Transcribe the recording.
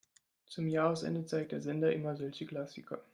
Zum Jahresende zeigt der Sender immer solche Klassiker.